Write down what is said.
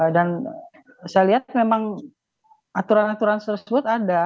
dan saya lihat memang aturan aturan tersebut ada